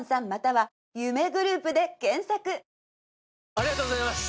ありがとうございます！